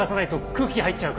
空気入っちゃう。